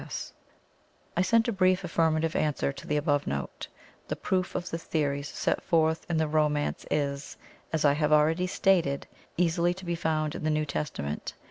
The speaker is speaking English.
S." [I sent a brief affirmative answer to the above note; the "proof" of the theories set forth in the "Romance" is, as I have already stated, easily to be found in the New Testament.